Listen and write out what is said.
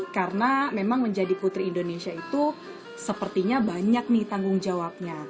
karena memang menjadi putri indonesia itu sepertinya banyak nih tanggung jawabnya